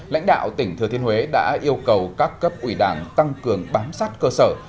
lãnh đạo tỉnh thừa thiên huế đã yêu cầu các cấp ủy đảng tăng cường bám sát cơ sở